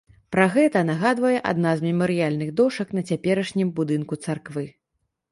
Пра гэта нагадвае адна з мемарыяльных дошак на цяперашнім будынку царквы.